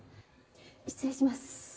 失礼します。